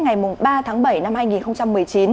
ngày ba tháng bảy năm hai nghìn một mươi chín